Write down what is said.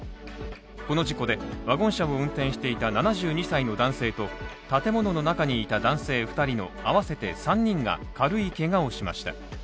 この事故でワゴン車を運転していた７２歳の男性と、建物の中にいた男性２人のあわせて３人が軽いけがをしました。